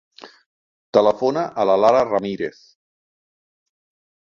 Telefona a la Lara Ramirez.